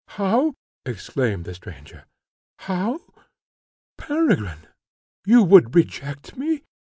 "How!" exclaimed the stranger "how! Peregrine, you would reject me?